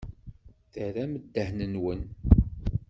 Terram ddehn-nwen.